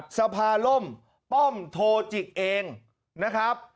สภาล่มป้อมโทจิกเองนะครับ